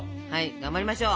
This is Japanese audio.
頑張りましょう！